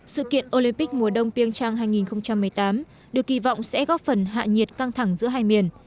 sự kiện olympic mùa đông piêng trang hai nghìn một mươi tám được kỳ vọng sẽ góp phần hạ nhiệt căng thẳng giữa hai miền